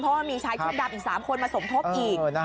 เพราะว่ามีชายชุดดำอีก๓คนมาสมทบอีก